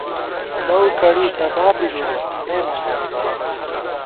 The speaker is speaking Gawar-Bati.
لَؤ کڑی تَبابی مِروت، اے مونہ اللہ